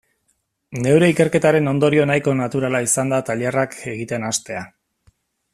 Neure ikerketaren ondorio nahiko naturala izan zen tailerrak egiten hastea.